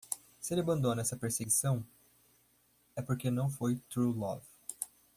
Se ele abandona essa perseguição? é porque não foi truelove...